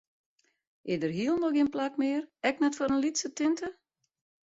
Is der hielendal gjin plak mear, ek net foar in lytse tinte?